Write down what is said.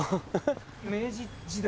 明治時代。